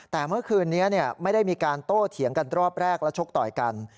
แต่เมื่อคืนนี้ไม่ได้มีการโต้เถียงกันรอบแรกและชกต่อยกัน